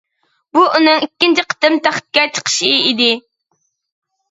بۇ ئۇنىڭ ئىككىنچى قېتىم تەختكە چىقىشى ئىدى.